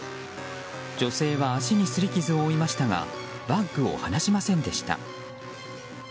女性は足に擦り傷を負いましたがバッグを離しませんでした。